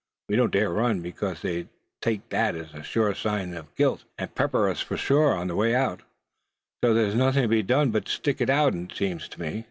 We don't dare run, because they'd take that for a sure evidence of guilt, and pepper us for all that's out. So, there's nothing to be done but stick it out, seems to me."